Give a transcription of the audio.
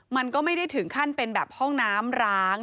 มันก็ไม่ได้ถึงขั้นเป็นแบบห้องน้ำร้าง